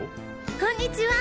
こんにちは。